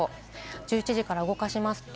１１時から動かします。